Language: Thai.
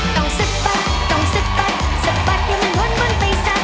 ต้องสะบัดต้องสะบัดสะบัดอย่ามันวนวนไปสัก